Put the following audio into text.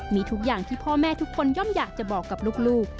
มีทุกอย่างที่พ่อแม่ทุกคนย่อมอยากจะบอกกับลูก